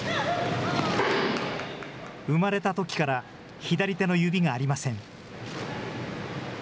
生まれたときから左手の指がありません。